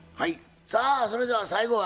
さあそれでは最後は吉弥さん。